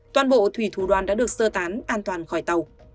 toàn bộ thủy thủ đoàn đã được sơ tán an toàn khỏi tàu